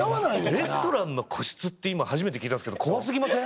レストランの個室って今初めて聞いたんですけど怖過ぎません？